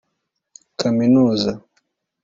kaminuza